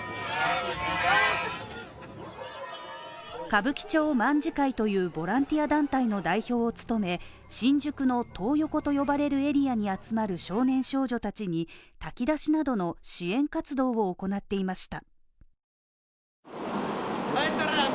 歌舞伎町卍会というボランティア団体の代表を務め新宿のトー横と呼ばれるエリアに集まる少年少女たちに炊き出しなどの支援活動を行っていました。